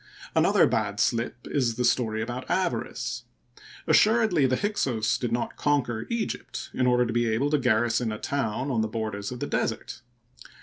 Another bad slip is the story about Avaris. Assuredly the Hyksos did not conquer Egypt in order to be able to garrison a town on the borders of the desert